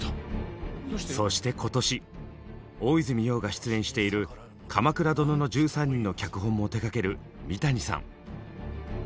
そして今年大泉洋が出演している「鎌倉殿の１３人」の脚本も手がける三谷さん。